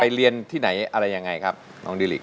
เรียนที่ไหนอะไรยังไงครับน้องดิลิก